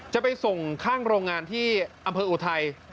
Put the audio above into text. จะไปส่งข้างโรงงานที่อำเภออุทัย